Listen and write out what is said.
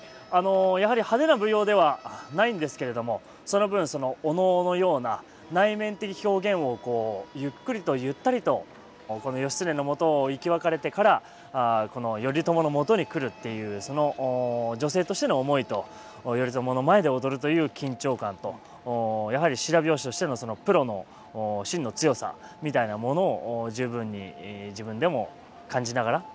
やはり派手な舞踊ではないんですけれどもその分お能のような内面的表現をこうゆっくりとゆったりとこの義経のもとを生き別れてからこの頼朝のもとに来るっていうその女性としての思いと頼朝の前で踊るという緊張感とやはり白拍子としてのプロのしんの強さみたいなものを十分に自分でも感じながら。